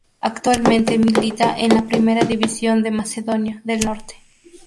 Actualmente milita en la Primera División de Macedonia del Norte.